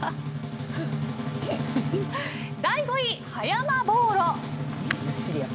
５位、葉山ボーロ。